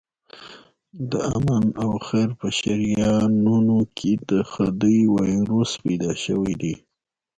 د آمن او خیر په شریانونو کې د خدۍ وایروس پیدا شوی دی.